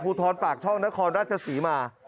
ผู้ท้อนปากช่องนครราชสีมา